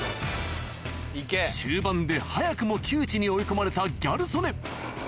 中盤で早くも窮地に追い込まれたギャル曽根